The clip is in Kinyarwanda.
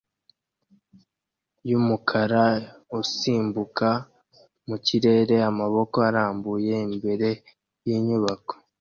yumukara usimbuka mu kirere amaboko arambuye imbere yinyubako